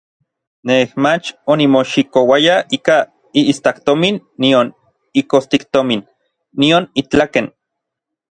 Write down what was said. Nej mach onimoxikouaya ikaj iistaktomin nion ikostiktomin, nion itlaken.